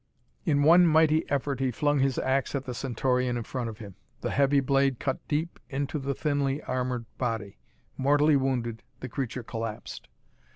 In one mighty effort he flung his ax at the Centaurian in front of him. The heavy blade cut deep into the thinly armored body. Mortally wounded, the creature collapsed.